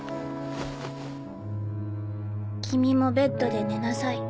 君もベッドで寝なさい。